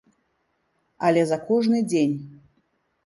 Але за кожны дзень!